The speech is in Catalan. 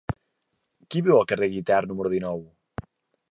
Qui viu al carrer de Guitard número dinou?